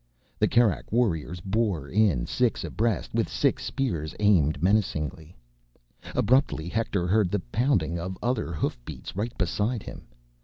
The Kerak warriors bore in, six abreast, with six spears aimed menacingly. Abruptly, Hector heard the pounding of other hoofbeats right beside him.